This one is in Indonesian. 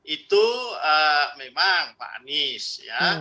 itu memang pak anies ya